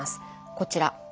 こちら。